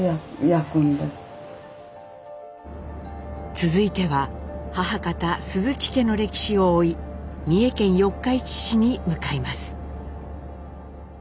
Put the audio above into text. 続いては母方鈴木家の歴史を追い三重県四日市市に向かいます。